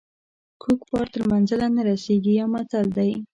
کوږ بار تر منزله نه رسیږي یو متل دی.